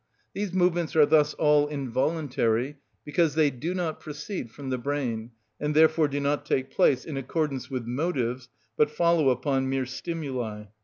These movements are thus all involuntary, because they do not proceed from the brain, and therefore do not take place in accordance with motives, but follow upon mere stimuli.